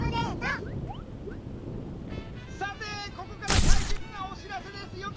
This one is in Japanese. さてここから大切なお知らせです。